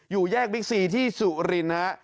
แยกบิ๊กซีที่สุรินฮะ